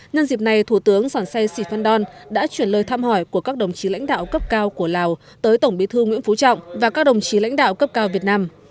nhân dịp này thủ tướng sản xây sì phan đon đã chuyển lời thăm hỏi của các đồng chí lãnh đạo cấp cao của lào tới tổng bí thư nguyễn phú trọng và các đồng chí lãnh đạo cấp cao việt nam